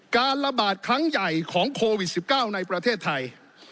การระบาดครั้งใหญ่ของโควิด๑๙ในประเทศไทย